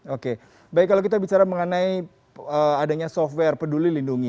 oke baik kalau kita bicara mengenai adanya software peduli lindungi